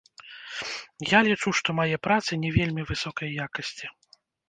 Я лічу, што мае працы не вельмі высокай якасці.